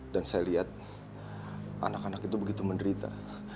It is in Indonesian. dan saya lihat anak anak itu begitu menderita